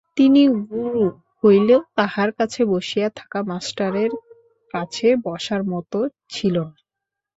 তিনি গুরু হইলেও তাঁহার কাছে বসিয়া থাকা মাষ্টারের কাছে বসার মত ছিল না।